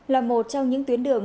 là một trong những tuyến đường